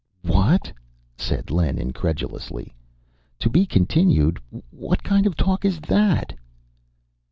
"What?" said Len incredulously. "To be continued what kind of talk is that?"